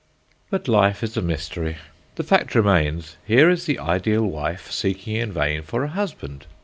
But life is a mystery. The fact remains: here is the ideal wife seeking in vain for a husband.